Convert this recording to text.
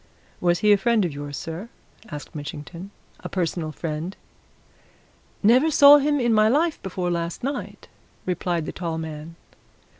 "Was he a friend of yours, sir?" asked Mitchington. "A personal friend?" "Never saw him in my life before last night!" replied the tall man.